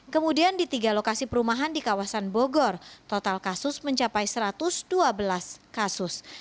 kemudian di tiga lokasi perumahan di kawasan bogor total kasus mencapai satu ratus dua belas kasus